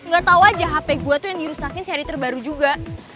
gak tau aja hp gue tuh yang dirusakin seri terbaru juga